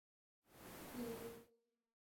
草莓听说不错